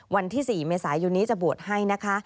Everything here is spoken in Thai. วันที่๔เมษายนนี้จะบวชให้นะคะ